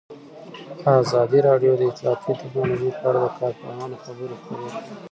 ازادي راډیو د اطلاعاتی تکنالوژي په اړه د کارپوهانو خبرې خپرې کړي.